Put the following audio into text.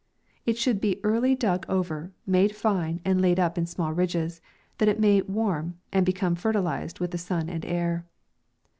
It should be early dug over, made fine, and laid up in small ridges, that it may warm, and become fertilized with the sun and air.